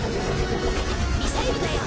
ミサイルだよ。